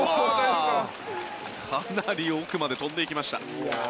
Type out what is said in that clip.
かなり奥まで飛んでいきました。